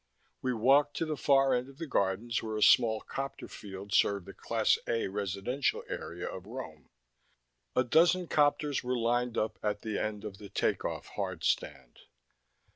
We walked to the far end of the Gardens where a small copter field served the Class A residential area of Rome. A dozen copters were lined up at the end of the take off hardstand.